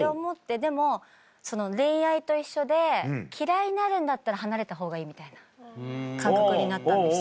でも恋愛と一緒で嫌いになるんだったら離れたほうがいいみたいな感覚になったんですよ。